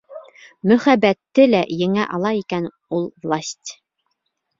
Мөхәббәтте лә еңә ала икән ул власть...